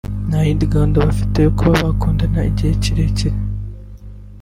nta yindi gahunda bafite yo kuba bakundana igihe kirekire